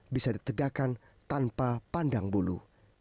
bisa ditegakkan tanpa pandang bulu